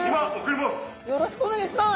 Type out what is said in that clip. よろしくお願いします！